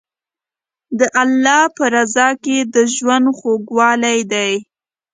د الله په رضا کې د ژوند خوږوالی دی.